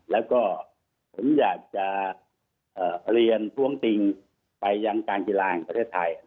แล้วก็ผมอยากจะเรียนท้วงติงไปยังการกีฬาแห่งประเทศไทย